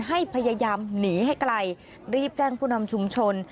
ให้พยายามหนีให้ไกลรีบแจ้งผู้นำชุมชน